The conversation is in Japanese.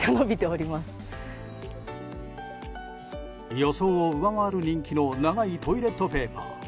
予想を上回る人気の長いトイレットペーパー。